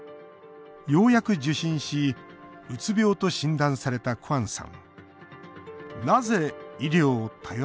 ようやく受診しうつ病と診断されたクアンさん。